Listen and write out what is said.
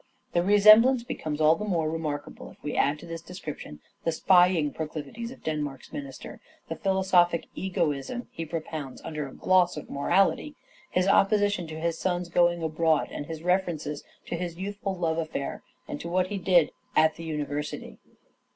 The resemblance becomes all the more remarkable if we add to this description the spying proclivities of Denmark's minister, the philosophic egoism he propounds under a gloss of morality, his opposition to his son's going abroad, and his references to his youthful love affair and to what he did " at the university."